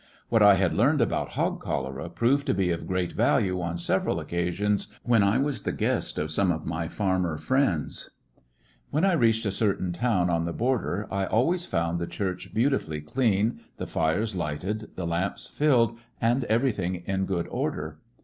What I had learned about hog cholera proved to be of great value on several occasions when I was the guest of some of my farmer friends. When I reached a certain town on the bor Wearing and der I always found the church beautifully ^^Pross clean, the fires lighted, the lamps filled, and everything in good order.